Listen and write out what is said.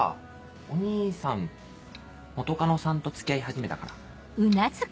お義兄さん元カノさんと付き合い始めたから？